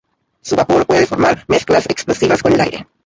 Su vapor puede formar mezclas explosivas con el aire.